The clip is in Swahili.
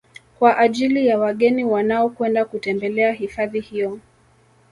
Kwa ajili ya wageni wanaokwenda kutembelea hifadhi hiyo